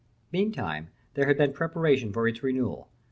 Meantime there had been preparation for its renewal.